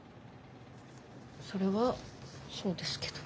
それはそうですけど。